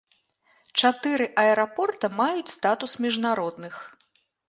Чатыры аэрапорта маюць статус міжнародных.